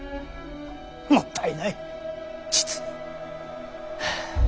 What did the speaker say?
もったいない実に。